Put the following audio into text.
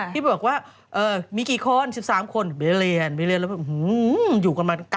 ที่บอกว่ามีกี่คน๑๓คน